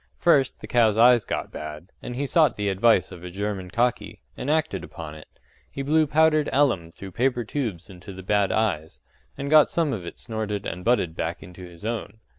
First, the cows' eyes got bad, and he sought the advice of a German cocky, and acted upon it; he blew powdered alum through paper tubes into the bad eyes, and got some of it snorted and butted back into his own.